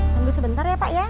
tunggu sebentar ya pak ya